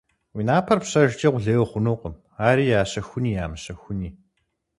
Уи напэр пщэжкӀэ къулей ухъунукъым, ари ящэхуни-ямыщэхуни.